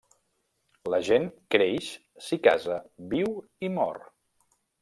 La gent creix, s'hi casa, viu, i mor.